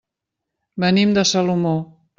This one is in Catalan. Venim de Salomó.